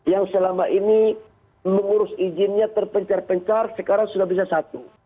yang selama ini mengurus izinnya terpencar pencar sekarang sudah bisa satu